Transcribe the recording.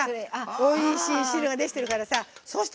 おいしい汁ができてるからさ